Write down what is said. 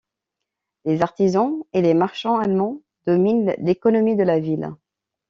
Les artisans et les marchands allemands dominent l'économie de la ville.